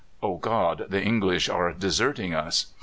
("O God! the English are deserting us!").